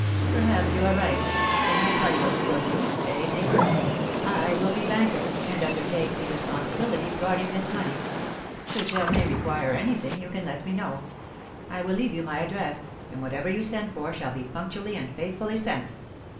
"Perhaps you are right; then I tell you what we will do eh, neighbour? I will be banker, and undertake the responsibility of guarding this money. Should Germain require anything, you can let me know; I will leave you my address, and whatever you send for shall be punctually and faithfully sent."